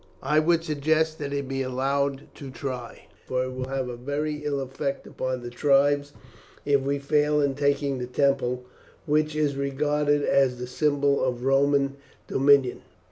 I would suggest that he be allowed to try, for it will have a very ill effect upon the tribes if we fail in taking the temple, which is regarded as the symbol of Roman dominion.